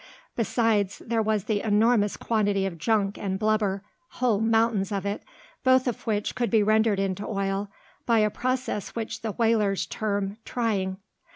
Besides, there was the enormous quantity of junk and blubber, whole mountains of it, both of which could be rendered into oil by a process which the whalers term "trying."